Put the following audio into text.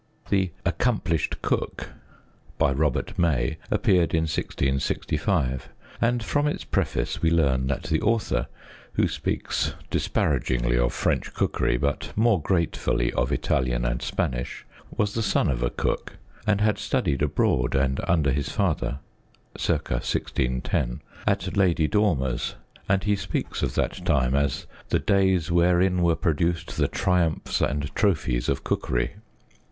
The Accomplisht Cook, by Robert May, appeared in 1665, and from its preface we learn that the author (who speaks disparagingly of French cookery, but more gratefully of Italian and Spanish) was the son of a cook, and had studied abroad and under his father (c. 1610) at Lady Dormer's, and he speaks of that time as " the days wherein were produced the triumphs and trophies of cookery."